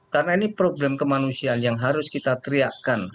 karena ini problem kemanusiaan yang harus kita teriakkan